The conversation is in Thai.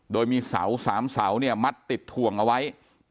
โดยมีเสา๓เสาเนี่ยมัดติดถ่วงเอาไว้